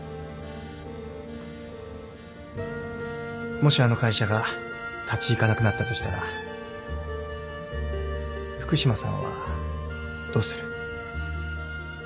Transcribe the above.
もしあの会社が立ち行かなくなったとしたら福島さんはどうする？